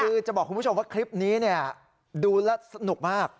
คือจะบอกคุณผู้ชมว่าคลิปนี้ดูแล้วสนุกมาก